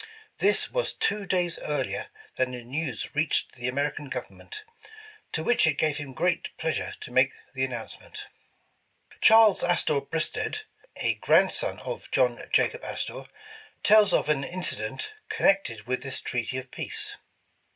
This was two days earlier than the news reached the Ameri can Government, to which it gave him great pleasure to make the announcement. Charles Astor Bristed, a grandson of John Jacob Astor, tells of an incident connected with this Treaty 231 The Original John Jacob Astor of Peace.